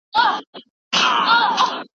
معلومیږي د بخت ستوری دي ختلی